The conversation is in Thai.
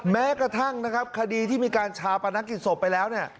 แม้กระทั่งคดีที่มีการชาวประนักกิจศพไปแล้ว